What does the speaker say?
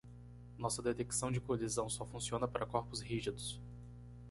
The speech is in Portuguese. Nossa detecção de colisão só funciona para corpos rígidos.